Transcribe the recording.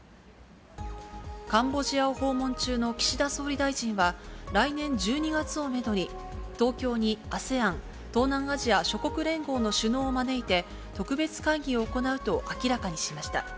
カンボジアを訪問中の岸田総理大臣は、来年１２月をメドに、東京にＡＳＥＡＮ・東南アジア諸国連合の首脳を招いて特別会議を行うと明らかにしました。